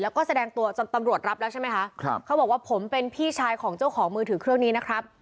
แล้วก็แสดงตัวจนตำรวจรับแล้วใช่ไหมคะครับเขาบอกว่าผมเป็นพี่ชายของเจ้าของมือถือเครื่องนี้นะครับ